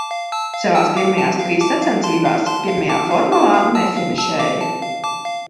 Savās pirmajās trīs sacensībās pirmajā formulā nefinišēja.